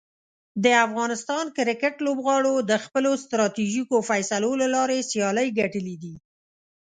د افغانستان کرکټ لوبغاړو د خپلو ستراتیژیکو فیصلو له لارې سیالۍ ګټلي دي.